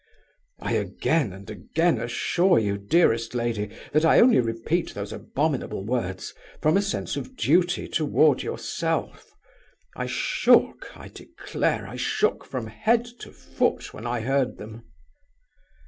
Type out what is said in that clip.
I again and again assure you, dearest lady, that I only repeat those abominable words from a sense of duty toward yourself. I shook I declare I shook from head to foot when I heard them.